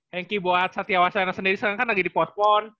henki buat satya wacana sendiri sekarang kan lagi dipostpon